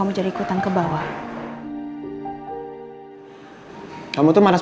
bagus gak ya